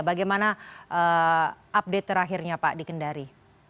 bagaimana update terakhirnya pak di kendari